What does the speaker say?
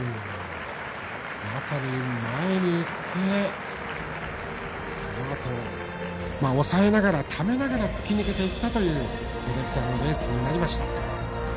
まさに、前にいってそのあと抑えながら、ためながら突き抜けていったというドゥレッツァのレースになりました。